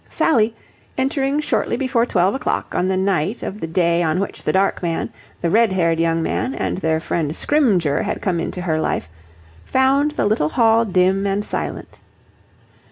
Sally, entering shortly before twelve o'clock on the night of the day on which the dark man, the red haired young man, and their friend Scrymgeour had come into her life, found the little hall dim and silent.